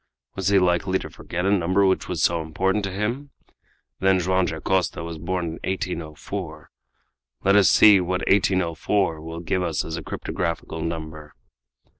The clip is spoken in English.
Was he likely to forget a number which was so important to him? Then Joam Dacosta was born in 1804. Let us see what 1804 will give us as a cryptographical number."